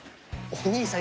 お兄さん。